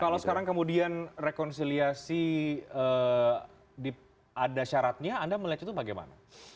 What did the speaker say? kalau sekarang kemudian rekonsiliasi ada syaratnya anda melihat itu bagaimana